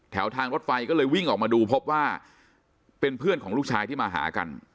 ทางรถไฟก็เลยวิ่งออกมาดูพบว่าเป็นเพื่อนของลูกชายที่มาหากัน